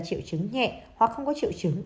triệu chứng nhẹ hoặc không có triệu chứng